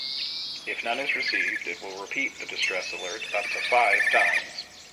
If none is received, it will repeat the distress alert up to five times.